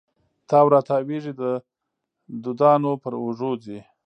تاو را تاویږې د دودانو پر اوږو ځي